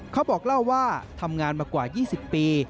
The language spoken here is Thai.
เขาบอกเล่าว่าทำงานมากว่า๒๐ปี